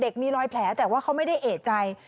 มีรอยแผลแต่ว่าเขาไม่ได้เอกใจ